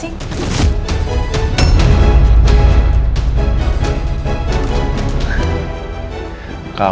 ciri ciri apa sih